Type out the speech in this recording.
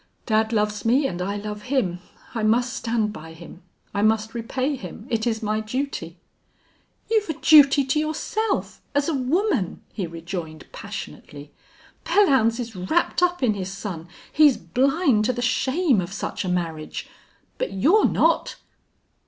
Dad loves me, and I love him. I must stand by him. I must repay him. It is my duty." "You've a duty to yourself as a woman!" he rejoined, passionately. "Belllounds is wrapped up in his son. He's blind to the shame of such a marriage. But you're not."